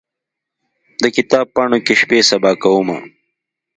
د کتاب پاڼو کې شپې سبا کومه